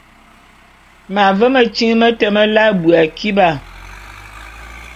M’ave metyiŋ mete meláe abui akiba.